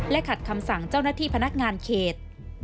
ขัดคำสั่งเจ้าหน้าที่พนักงานเขต